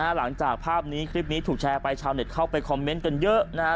หลังจากภาพนี้คลิปนี้ถูกแชร์ไปชาวเน็ตเข้าไปคอมเมนต์กันเยอะนะฮะ